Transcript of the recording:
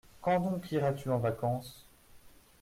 Quand donc iras-tu en vacances ?